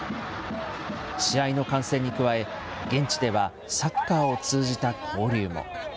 試合の観戦に加え、現地では、サッカーを通じた交流も。